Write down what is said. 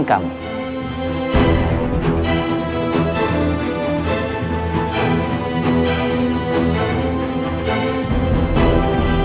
apakah kita bisa melakukan itu